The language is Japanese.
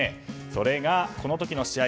それがこの時の試合